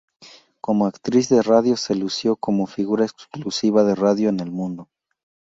Como actriz de radio se lució como figura exclusiva de Radio El Mundo.